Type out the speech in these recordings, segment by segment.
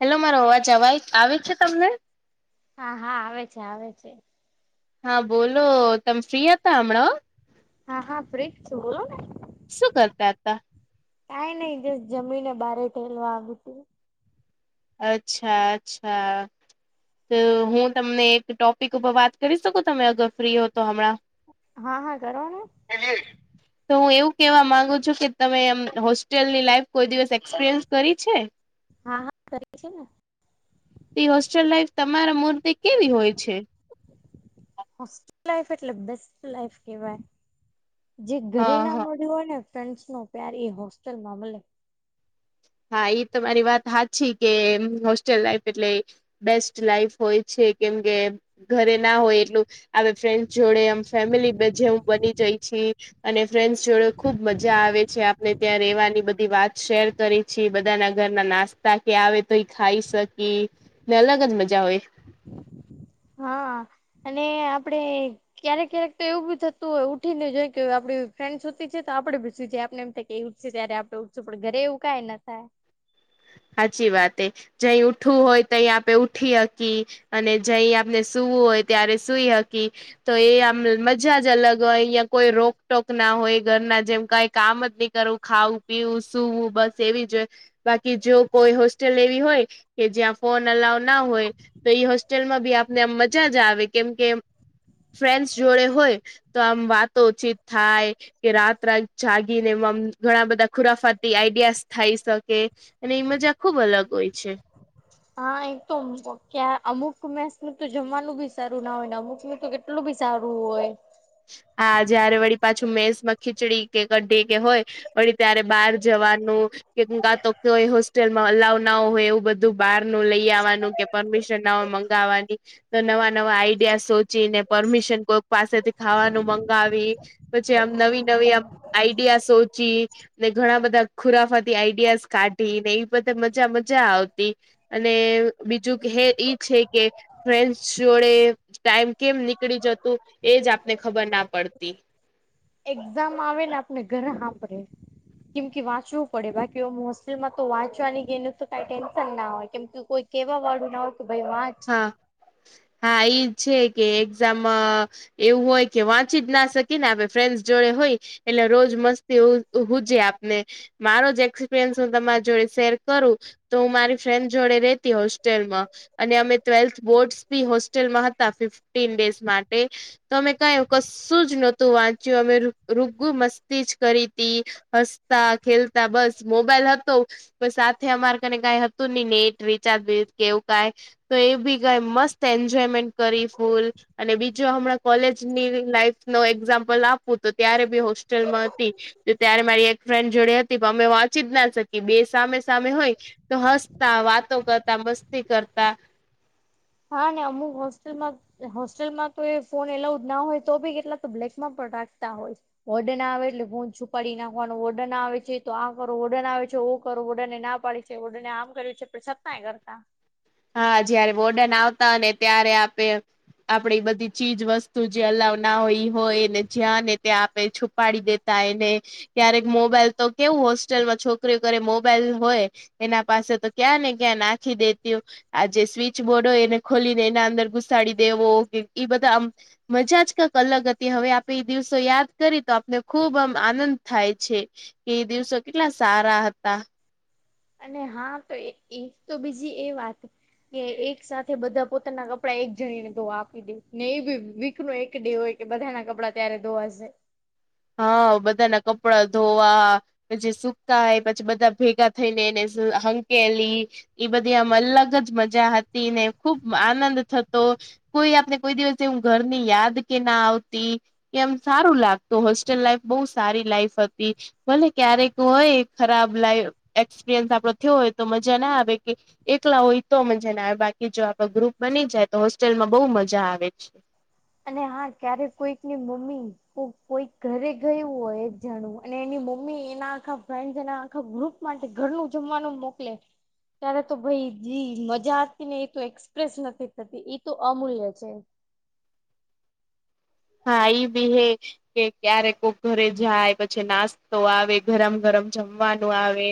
Hello મારો અવાજ આવય આવે છે તમને હા હા આવે છે આવે છે. હા બોલો તમે ફ્રી હતા હમણાં હા હા ફ્રી જ છું બોલો ને શું કરતા હતા કાઈ નઈ જ જમીનને બારે ટેલવા આવી તી અચ્છા અચ્છા હું તમને એક ટોપિક ઉપર વાત કરી શકો તમે અગર ફ્રી હો તો હમણાં હા હા કરો ને [inaudible] તો હું એવું કેવા માંગુ છું કે તમે એમ હોસ્ટેલની લાઈફ કોઈ દિવસ એક્સપિરિયન્સ કરી છે. હા હા કરી છે ને તે હોસ્ટેલ લાઈફ તમારા મૂર્તે કેવી હોય છે હોસ્ટેલ લાઈફ એટલે બેસ્ટ લાઈફ કેવાય જે ઘરે હા ના હા મળ્યું હોય ને ફ્રેન્ડસ નો પ્યાર એ હોસ્ટેલમાં મળે હા એ તમારી વાત હાચી કે હોસ્ટેલ લાઈફ એટલે બેસ્ટ લાઈફ હોય છે કેમ કે ઘરે ના હોય એટલું આવે ફ્રેન્ડસ જોડે એમ ફેમિલી જેમ બની જઈ છી અને ફ્રેન્ડ્સ જોડે ખુબ મજા આવે છે આપને ત્યાં રેવાની બધી વાત શેર કરી પછી બધા ના ઘરના નાસ્તા કે આવે તો એ ખાઈ શકી અલગ જ મજા હોય હા અને આપડે ક્યારેક ક્યારેક તો એવું બી થતું હોય ઉઠીને જોઈ કે આપડી ફ્રેન્ડસ હુંતી છે તો આપડે બી સૂઈ જાય આપણે એમ થાય ત્યારે આપડે ઉઠશું પણ ઘરે એવું કાઈ ના થાય સાચી વાત એ જઈ ઉઠવું હોય તહી આપે ઉઠી હકી અને જઈ આપને સુવું હોય ત્યારે સુઈ હકી તો એ આમ મજા જ અલગ હોય અહિયાં કોઈ રોકટોક ના હોય ઘરના જેમ કઈ કામ જ નહી કરવું ખાવું પીવું સૂવું બસ એવી જ કે જો કોઈ હોસ્ટેલ એવી હોય કે જ્યાં ફોન અલાઉ ના હોય તો ઈ હોસ્ટેલમાં ભી આપને આ મજા જ આવે કેમ કે ફ્રેન્ડસ જોડે હોય તો આમ વાતોચિત થાય કે રાત રાત જાગીને એમાં ઘણા બધા ખુરાફાતી આઈડિયાસ થાય શકે અને એ મજા ખુબ અલગ હોય છે. હા એક તો ક્યાં અમુક મેસ ન તો જમવાનું બી સારું ના હોય ને અમુક નું તો કે કેટલું બી સારુ હોય હા જયારે વળી પાછું મેસ માં ખીચડી કે ક્ઢી કે હોય વળી ત્યારે બહાર જવાનું કેમ કાતો કોઈ હોસ્ટેલમાં અલાવ ના હોય એવું બધું બહાર નું લઈ આવવાનું કે પરમિશન ન હોય મંગાવવાની તો નવા નવા આઈડિયા સોચીને પરમિશન કોઈક પાસેથી ખાવાનું મગાવી, પછી આમ નવી-નવી આમ આઈડિયા સોચી. ને ઘણા બધા ખુરાફાતી આઈડિયાઝ કાઢી ને, એવી બધી મજા મજા આવતી. અને બીજું હે ઈ છે કે. ફન્ડ જોડે ટાઈમ કેમ નીકળી જતું, એજ આપને ખબર ના પડતી. એક્ઝામ આવે ને, આપને ઘરે સાપરેે. કેમ કે વાંચવું પડે, બાકી હોસ્ટેલમાં તો વાંચવાની, ગ એને તો ક ટેન્શન ના હોય, કેમ કે કોઈ કેવા વાળું ના હો કે, ભાઈ વાચ હા, એજ છે કે, એક્ઝામ? એવું હોય કે, વાંચી જ ના શકી ને, આપણે ફ્રેન્ડસ જોડે હોય. એટલે રોજ મસ્તી હજે આપને. મારો જ એક્સપિરિયન્સ, હું તમારી જોડે શેર કરું. તો હું મારી ફ્રેન્ડ જોડે રેતી હોસ્ટેલમાં. અને અમે ટ્વેલ્થ બોર્ડસ બી હોસ્ટેલમાં હતા, ફિફ્ટીન ડેઝ માટે. તો અમે કઈ કશું જ નહોતું વાંચ્યું, અમે રૂગુ મસ્તી જ કરી હતી. હસતા-ખેલતા, બસ મોબાઈલ હતો. બ સાથે અમારે કને કઈ હતું નહી, નેટ રિચાર્જ કેવું ક તો એ બી કઈ મસ્ત એન્જોયમેન્ટ કરી ફૂલ. અને બીજો હમણાં કોલેજની લાઈફ નો એક્ઝામ્પલ આપવું, તો ત્યારે બી હોસ્ટેલમાં હતી. તો ત્યારે મારી એક ફ્રેન્ડ જોડે હતી, પણ અમે વાંચી જ ના શકીએ, બે સામે સામે હોય. તો હસતા વાતો કરતા, મસ્તી કરતા. હા, ના અમુક હોસ્ટેલમાં હોસ્ટેલમાં તો એ ફોન એલાઉ જ ના હોય, તો બી કેટલા તો બ્લેકમાં પણ રાખતા હોય. ઓડન આવે, એટલે ભન છુપાડી નાખવાનું, ઓર્ડન આવે છે, તો આ કરો ઓડન આવે છે, ઓ કરો વડન ના પાડે. ઓડને આમ કર્યું છે, પણ છતાંય કરતા. હા, જયારે વોર્ડન આવતા ને, ત્યારે આપણે આપણેે એ બધી ચીજ વસ્તુ જે અલાવ ના હોય, એ હોયને, જ્યાં ને ત્યાં આપે છુપાડી દે. ય ને, ક્યારેક મોબાઈલ તો કેવું હોસ્ટેલ માં છોકરીઓ કરે, મોબાઈલ હોય. એના પાસે તો ક્યાં ને, ક્યાં નાખી દેતી. આ જે સ્વિચ બોર્ડ હોય, એને ખોલી ને એના અંદર ગુસ્ સાડી દેવો, એ બધા આમ મજાજ કક અલગ તે હવે આપે એ દિવસો યાદ કરી તો, આપને ખુબ આમ આનંદ થાય છે. કે દિવસો કેટલા સારા હતા. અને હા તો, એ તો બીજી એ વાત. કે એક સાથે બધા પોતાના કપડા એક જણીને તો આપી દે ને, એ ભી વીક નો એક ડે હોય. કે બધા ના કપડા ત્યારે ધોવાશે. હા, બધાના કપડા ધોવા. પછી સુકાય, પછી બધા ભેગા થઈને, એને હંકેલી એઈ બધી આમ અલગ જ મજા હતી ને, ખુબ આનંદ થતો. કોઈ આપને કોઈ દિવસે હું ઘરની યાદ કે, ના આવતી, એમ સારું લાગતું. તો હોસ્ટેલ લાઈફ બહુ સારી લાાઈફ હતી. ભલે ક્યારેક હોય, ખરાબ લાઈ એક્સપિરિયન્સ આપડો થયો હોય, તો મજા ના આવે કે એકલા હોય તો, મજ ને બાકી, જો આપડો ગ્રુપ બની જા, ય તો હોસ્ટેલમાં બઉુ મજા આવે છે. અને હા, ક્યારે કોઈકની મમ્મી કોઈ ઘરે ગયું હોય એ જાણવું, અને એની મમ્મી એના આખા ફ્રેન્ડ એના આખા ગ્રુપ માટે ઘરનું જમવાનું મોકલે, ત્યારે તો ભાઈ મજાતી ને એ એક્સપ્રેસ નથી થતી ઈ તો અમૂલ્ય છે. હા ઈ બી હે કે ક્યારે કોક ઘરે જાય પછ છી નાસ્તો આવે, ગરમ-ગરમ જમવાનું આવે,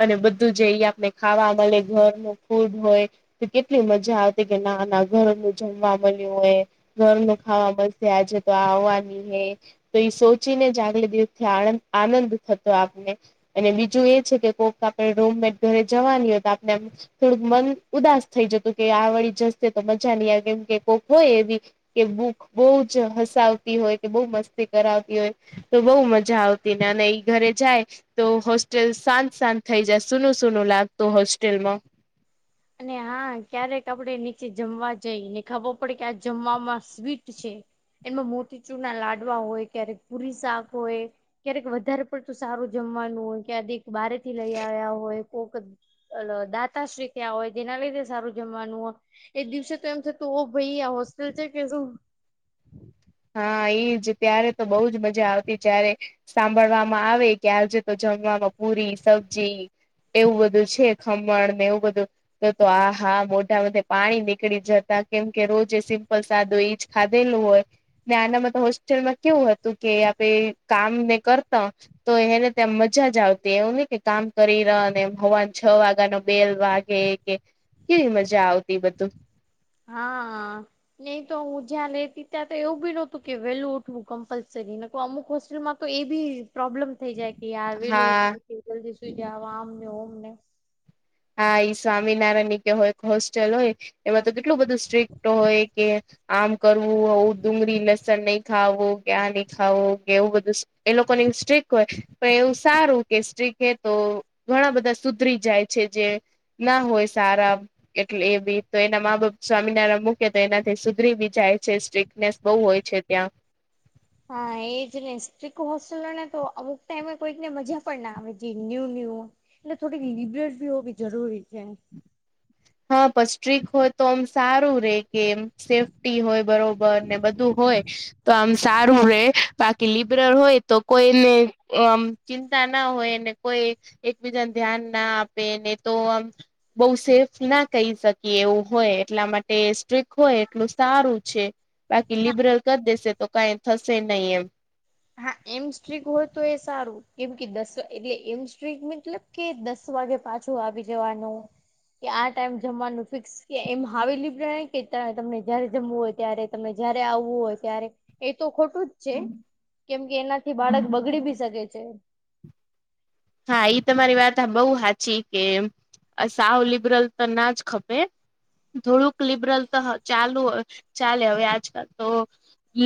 અને બધું જઈ આપણે ખાવા મલે, ઘર નું ફૂડ હોય તો કેટલી મજા આવતી કે ના-ના ઘરનું જમવા મલ્યું હોઈએ ઘરનું ખાવા મલસે, આજે તો આ આવવાની હે તો ઈ સો ચીને જ આગલે દિવસથી આણંદ આનંદ થતો આપને. અને બીજું એ છે કે કોક આપણે રૂમમેટ ઘરે જવાની હોય તો આપના થોડુંક મન ઉદાસ થઈ જતું કે આવડી જશે તો મજા નહીં આવે કેમ કે કોઈક હોય એવી કે ભૂખ બહું જ હસાવતી હોય કે બહું મસ્તી કરાવતી હોય તો બહુ મજા આવતી ને અને ઈ ઘરે જાય તો હોસ્ટેલ શાંત-શાંત થઈ જાય, સુનું-સનું લાગતું હોસ્ટેલમાં. અને હા ક્યારેક આપડે નીચે જમવા જઈ, ને ખબર પડે કે આજ જમવામાં સ્વીટ છે એમાં મોતીચૂરના લાડવા હોય, ક્યારેક પુરી-શાક હોય ક્યારેક વધારે પડતું સારું જમવાનું હોય ક્યાદીક બહારે થી લઈ આયા હોય કોક ઓલો દાતા શ્રી ત્યાં હોય જેના લીધે સારું જમવાનું હોય, એ દિવસે તો એમ થતું ઓહ ભઈ આ હોસ્ટેલ છે કે શું હા ઈજ. ત્યારે તો બહુ જ મજા આવતી જયારે સાંભળવામાં આવે કે આજે તો જમવામાં પુરી, સબજી એવું બધું છે, ખમણ ને એવું બધું તો-તો આહા મોઢામાંથી પાણી નીકળી જતા કેમ કે રોજ [unintelligible] [unintelligible] ઈજ ખાધેલું હોય ને આનામાં તો હોસ્ટેલ માં કેવું હતું કે આપે કામ ને કરતા તો એને ત્યા મજા જ આવતી, એવું નહીં કે કામ કરી રહ ને એમ હવા છ વાગા નો બેલ વાગ કેઈ કે કેવી મજા આવતી ઈ બધું. હા. ને ઈ તો હું જ્યાં રહેતી ત્યાં તો એવું બી નહોતું કે વહેલું ઊઠવું કમ્પલસરી. નકર અમુક હોસ્ટેલમાં તો એ બી પ્રોબ્લેમ થઈ જાય કે, યાર વહેલું હા ઊઠવું કે જલ્દી સૂઈ જાવ, આમ ને ઓમ ને. હા, ઈ સ્વામિનારાયણની કે હોય હોસ્ટેલ હોય એમાં તો કેટલું બધું સ્ટ્રિક્ટ હોય કે આમ કરવું, આવું જ ડુંગળી, લસ સણ નહીં ખાવું, કે આ નહીં ખાવું કે એવું બધું, એ લોકો એવું સ્ટ્રિક્ટ હોય. પણ એવું સારું કે સ્ટ્રિક્ટ હે તો ઘણા બધા સુધરી જાય છે, જે ના હોય સારા. એટલે એ બી તો એના મા-બાપ સ્વામિનારાયણ મૂકે તો એનાથી સુધરી બી જાય છે સ્ટ્રિક્ટ નેસ બહુ હોય છે ત્યાં. હા, એ જ ને. સ્ટ્રિક્ટ હોસ્ટેલવાળાને તો ને તો અમુક ટાઈમે કોઈકને મજા પણ ના આવે જી ન્યૂ-ન્યૂ એટલે થોડીક લિબર્ટી હોવી જરૂરી છે. હા, પણ સ્ટ્રિક્ટ હોય તો આમ સારું રહે કે એમ સેફ ટી હોય બરાબર, ને બધું હોય તો આમ સારું રહે, બાકી લિબરલ હોય તો કોઈને ચિંતા આમ ના હોય અને કોઈ એકબીજાને ધ્યાન ના આપે ને, તો આમ બહુ સેફ ના કહી શકીએ એવું હોય, એટલા માટે સ્ટ્રિક્ટ હોય એટલું સારું છે. બાકી લિબરલ કર દેશે તો કાંઈ થશે નહીં એમ. હા, એમ સ્ટ્રિક્ટ હોય તો એ સારું, કેમ કે દસ એટલે એમ સ્ટ્રિક્ટ મતલબ કે દસ વાગે પાછું આવી જવાનું. કે આ ટાઈમ જમવાનું ફિક્સ કે એમ, [unintelligible] કે ત તમને જ્યારે જમવું હોય ત્યારે તમે જ્યારે આવવું હોય ત્યારે, એ તો ખોટું જ છે. કેમ કે, એનાથી બાળક બગડી બી શકે છે. હા, એ તમારી વાત બહુ સાચી કે. અ, સાવ લિબરલ તો ના જ ખપે. થોડુંક લિબરલ તો ચાલે, હવે આજકાલ તો.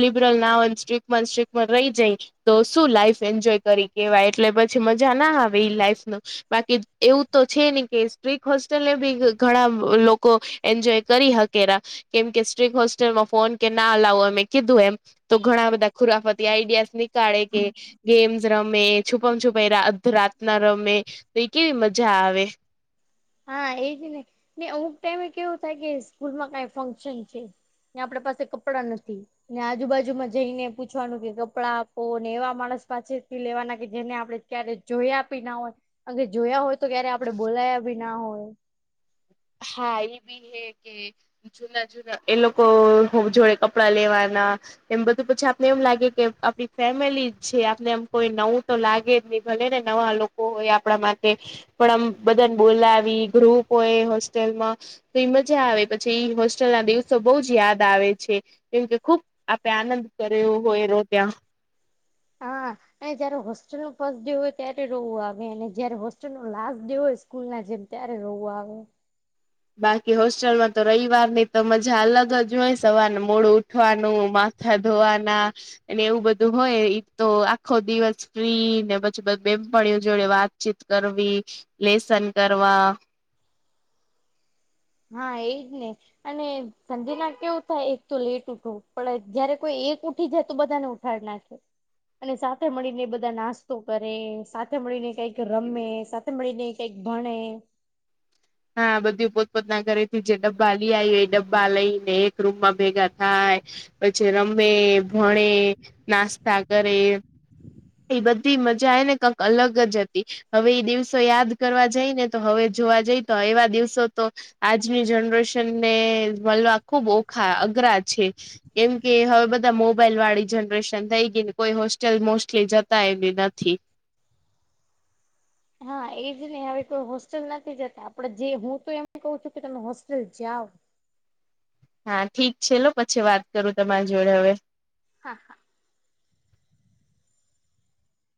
લિબરલ ના, સ્ટ્રિક્ટમાં સ્ટ્રિક્ટ રહે જાય. તો શું લાઈફ એન્જોય કરી કહેવાય? એટલે પછી મજા ના આવે એ લાઈફ ના. બાકી એવું તો છે ને, કે સ્ટ્રિક્ટ હોસ્ટેલને બી ઘણા લોકો. એન્જોય કરી શકે ને, કેમ કે સ્ટ્રિક્ટ હોસ્ટેલમાં ફોન કે ના લાવો, અમે કીધું એમ. તો ઘણા બધા ખુરાફાતી આઈડિયાઝ નીકળે કે ગેમ્સ રમે, છુપમ છુપાઈ. રાતના રમે તો, એ કેવી મજા આવે. હા, એ જ ને, અમુક ટાઈમે કેવું થાય કે, સ્કૂલમાં કંઈ ફંક્શન છે. હા, આપણી પાસે કપડાં નથી. ને આજુબાજુમાં જઈને પૂછવાનું કે, કપડાં આપો ને, એવા માણસ પાસેથી લેવાના કે જેને આપણે ક્યારે જોયા પણ ના હોય, અને જોયા હોય તો, ક્યારે આપણે બોલ્યા પણ ના હોય. હા, એ પણ છે કે, જૂના-જૂના એ લોકો જોડેથી કપડાં લેવાના. એમ બધું પછી આપણને એમ લાગે કે, આપણી ફેમિલી છે, આપણને એમ કોઈ નવું તો લાગે જ નહીં. ભલે ને નવા લોકો હોય, આપણા માટે પણ આમ બધાને બોલાવી ગ્રુપ હોય. હોસ્ટેલમાં તો મજા આવે, પછી હોસ્ટેલના દિવસો બહુ યાદ આવે છે. કેમ કે ખૂબ આનંદ કર્યો હોય, ત્યાં. હા, જ્યારે હોસ્ટેલનો ફર્સ્ટ ડે હોય, ત્યારે રડવું આવે, અને જ્યારે હોસ્ટેલનો લાસ્ટ ડે હોય. સ્કૂલના જેમ ત્યારે રડવું આવે. બાકી હોસ્ટેલમાં તો રવિવારની તો મજા અલગ જ હોય, સવારે મોડું ઊઠવાનું. થવાનું. અને એવું બધું હોય, એ તો આખો દિવસ ફ્રી ને પછી બધી બહેનપણીઓ જોડે વાત. ચિટચેટ કરવી, લેસન કરવા. હા, એ જ ને. અને સાંજે એવું ને કેવું થાય, એક તો લેટ ઊઠો, પણ જ્યારે કોઈ એક ઊઠી જાય તો બધાને ભણાવવાના છે. અને સાથે મળીને, બધા નાસ્તો કરે, સાથે મળીને કઈક રમે. મળી નઈ કઈક ભણે. હા, બધી પોતપોતના ઘરેથી જે ડબ્બા લઈ આવી, એ ડબ્બા લઈને, એક રૂમમાં ભેગા થાય. પછી રમે, ભણે નાસ્તા કરે. હ. એ બધી મજા આવે ને, કંક અલગ જ હતી, હવે એ દિવસો યાદ કરવા જાય ને, તો હવે જોવા જઈ. તો એવા દિવસો તો. આજની જનરેશન ને, મળવા ખુબ ઓખા અઘરા છે. કેમ કે, હવે બધા મોબાઈલ વાળી જનરેશન થઈ ગઈ ને, કોઈ હોસ્ટેલ મો. જતા એને નથી. હા, એજ નહી, હ કોઈ હોસ્ટેલ નથી જતા, આપડે જે હું તો એમ કઉ છું કે, તમે હોસ્ટેલ જાાવ. હા, ઠીક છે લો, પછી વાત કરું તમારી જોડે, હવે. હા, હા.